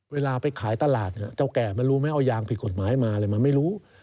เวลาไปขายตลาดเจ้าแก่มันรู้ไหมเอายางผิดกฎหมายมาอะไรมาไม่รู้